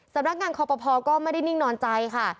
สำนักงานคอปภก็ไม่ได้นิ่งนอนใจค่ะ